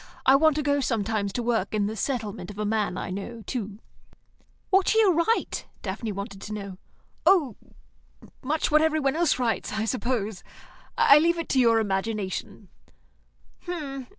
I want to go sometimes to work in the settlement of a man I know, too." "What shall you write?" Daphne wanted to know. "Oh, much what every one else writes, I suppose. I leave it to your imagination."